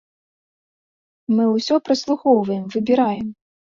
Мы ўсё праслухоўваем, выбіраем.